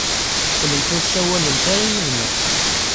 Qqlent ur ssawalent ara yid-neɣ.